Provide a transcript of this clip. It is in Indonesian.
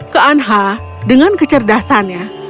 keanha dengan kecerdasannya